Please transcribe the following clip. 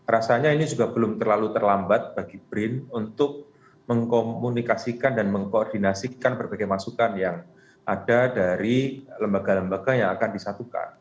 rasanya ini juga belum terlalu terlambat bagi brin untuk mengkomunikasikan dan mengkoordinasikan berbagai masukan yang ada dari lembaga lembaga yang akan disatukan